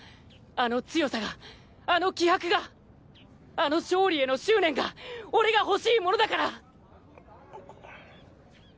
あの強さがあの気迫があの勝利への執念が俺が欲しいものだから！